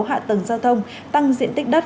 hạ tầng giao thông tăng diện tích đất